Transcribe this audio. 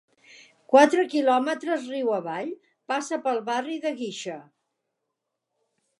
Quatre quilòmetres riu avall, passa pel barri de Guixa.